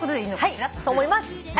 と思います。